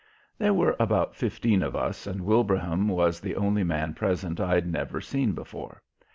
There were about fifteen of us and Wilbraham was the only man present I'd never seen before.